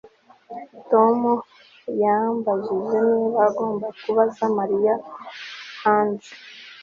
Tom yambajije niba agomba kubaza Mariya hanze